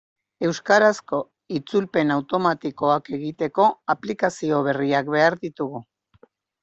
Euskarazko itzulpen automatikoak egiteko aplikazio berriak behar ditugu.